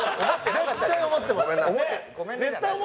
絶対思ってます。